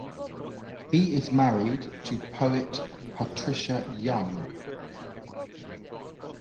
He is married to poet Patricia Young.